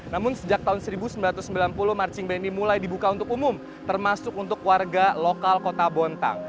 namun sejak tahun seribu sembilan ratus sembilan puluh marching band ini mulai dibuka untuk umum termasuk untuk warga lokal kota bontang